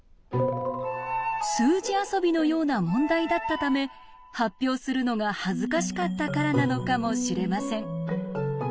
数字遊びのような問題だったため発表するのが恥ずかしかったからなのかもしれません。